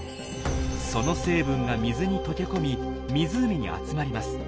その成分が水に溶け込み湖に集まります。